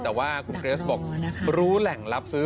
แต่ว่าคุณเกรสบอกรู้แหล่งรับซื้อ